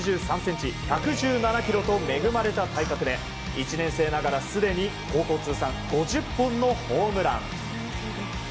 １８３ｃｍ、１１７ｋｇと恵まれた体格で１年生ながらすでに高校通算５０本のホームラン。